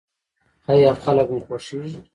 ایا خلک مو خوښیږي؟